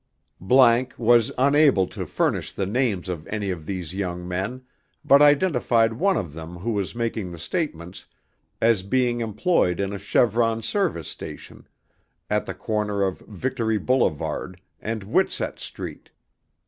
____ was unable to furnish the names of any of these young men but identified one of them who was making the statements as being employed in a Chevron Service Station at the corner of Victory Boulevard and Whitsett Street.